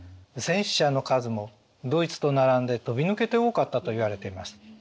戦死者の数もドイツと並んで飛び抜けて多かったといわれています。